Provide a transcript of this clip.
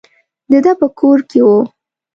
د ده په کور کې وو.